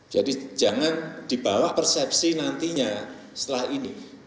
jadi jangan dibawa persepsi nantinya setelah ini